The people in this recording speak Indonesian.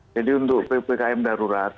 jadi untuk ppkm darurat